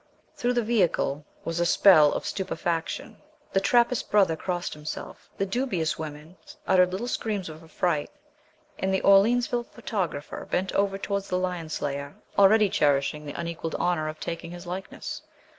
Through the vehicle was a spell of stupefaction. The Trappist brother crossed himself, the dubious women uttered little screams of affright, and the Orleansville photographer bent over towards the lion slayer, already cherishing the unequalled honour of taking his likeness.